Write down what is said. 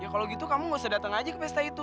ya kalo gitu kamu gak usah dateng aja ke pesta itu